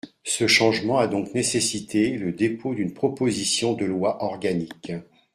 Ce changement a donc nécessité le dépôt d’une proposition de loi organique.